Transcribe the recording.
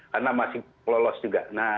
karena masih lolos juga